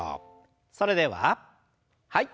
それでははい。